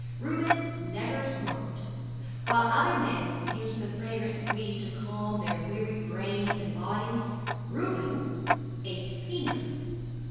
Reuben never smoked. While other men used the fragrant weed to calm their weary brains and bodies, Reuben ate peanuts.